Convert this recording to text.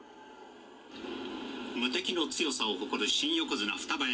「無敵の強さを誇る新横綱双葉山。